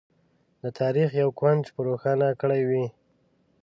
د تاریخ یو کونج به روښانه کړی وي.